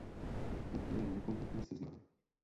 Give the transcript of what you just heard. Toto je nekompletní seznam.